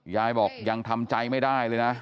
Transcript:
ยายบอกยังทำใจไม่ได้เลยนะ